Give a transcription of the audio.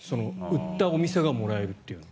売ったお店がもらえるというの。